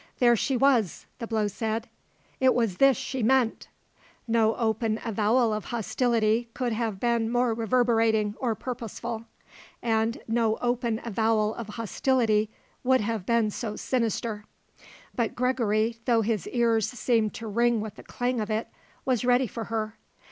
There she was, the blow said. It was this she meant. No open avowal of hostility could have been more reverberating or purposeful, and no open avowal of hostility would have been so sinister. But Gregory, though his ears seemed to ring with the clang of it, was ready for her.